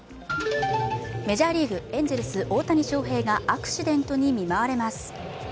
メジャーリーグ、エンゼルス大谷翔平がアクシデントに見舞われます。